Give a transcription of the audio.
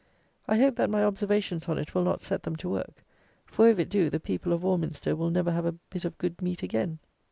I hope that my observations on it will not set them to work; for, if it do, the people of Warminster will never have a bit of good meat again.